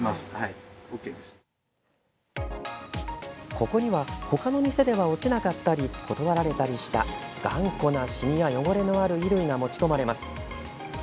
ここにはほかの店では落ちなかったり断られたりした頑固な染みや汚れのある衣類が持ち込まれます。